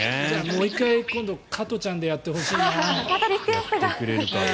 もう１回、今度はカトちゃんでやってほしいな。